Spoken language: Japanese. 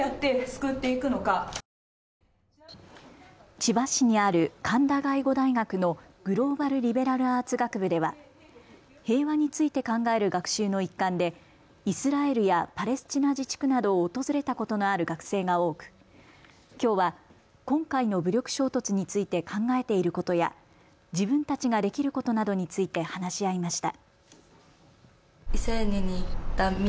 千葉市にある神田外語大学のグローバル・リベラルアーツ学部では平和について考える学習の一環でイスラエルやパレスチナ自治区などを訪れたことのある学生が多くきょうは今回の武力衝突について考えていることや自分たちができることなどについて話し合いました。